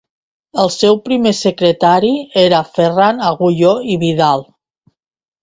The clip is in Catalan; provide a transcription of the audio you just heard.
El seu primer secretari era Ferran Agulló i Vidal.